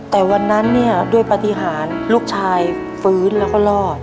แต่วันนั้นเนี่ยด้วยปฏิหารลูกชายฟื้นแล้วก็รอด